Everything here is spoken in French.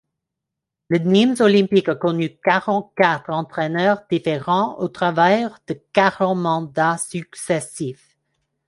Le Nîmes Olympique a connu quarante-quatre entraîneurs différents au travers de quarante mandats successifs.